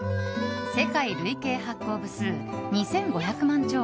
世界累計発行部数２５００万超。